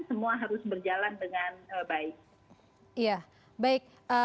semua harus berjalan dengan baik